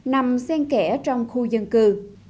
nằm xen kẽ trong khu dân cư